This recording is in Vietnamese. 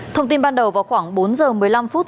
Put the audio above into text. thông tin ban đầu vào khoảng bốn h một mươi năm